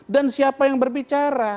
dan siapa yang berbicara